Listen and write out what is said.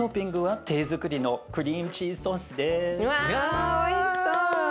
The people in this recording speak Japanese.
うわおいしそう。わ！